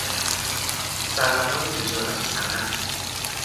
سروران تجارت و صنعت